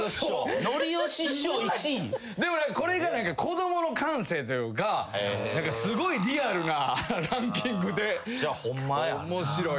でもこれが子供の感性というかすごいリアルなランキングで面白いな。